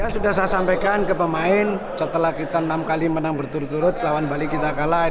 sudah saya sampaikan ke pemain setelah kita enam kali menang berturut turut lawan bali kita kalah